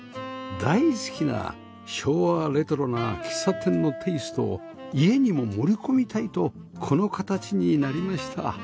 大好きな昭和レトロな喫茶店のテイストを家にも盛り込みたいとこの形になりました